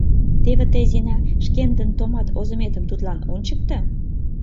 Теве тый, Зина, шкендын томат озыметым тудлан ончыкто.